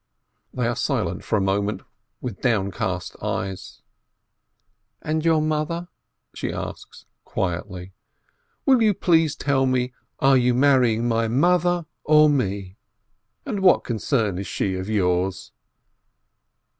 They are silent for a moment, with downcast eyes. "And your mother?" she asks quietly. "Will you please tell me, are you marrying my mother or me? And what concern is she of yours?"